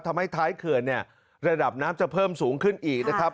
ทำให้ท้ายเขื่อนเนี่ยระดับน้ำจะเพิ่มสูงขึ้นอีกนะครับ